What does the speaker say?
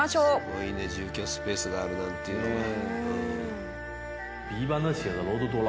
すごいね住居スペースがあるなんていうのが。